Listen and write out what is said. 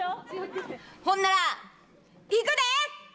ほんならいくで！